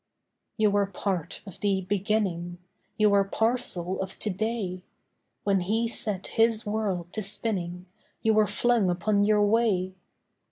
You are part of the Beginning, You are parcel of To day. When He set His world to spinning You were flung upon your way.